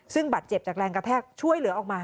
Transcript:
ซึ่งบาดเจ็บจากแรงกระแทกช่วยเหลือออกมา